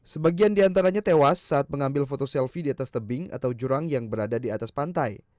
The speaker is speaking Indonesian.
sebagian diantaranya tewas saat mengambil foto selfie di atas tebing atau jurang yang berada di atas pantai